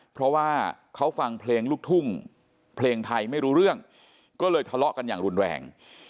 เพราะว่าเขาฟังเพลงลูกทุ่งเพลงไทยไม่รู้เรื่องก็เลยทะเลาะกันอย่างรุนแรง